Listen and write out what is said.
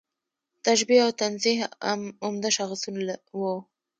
تشبیه او تنزیه عمده شاخصونه وو.